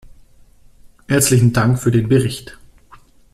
Herzlichen Dank für den Bericht.